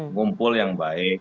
ngumpul yang baik